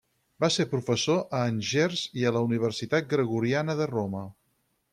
Va ser professor a Angers i a la Universitat Gregoriana de Roma.